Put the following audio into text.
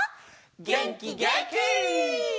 げんきげんき！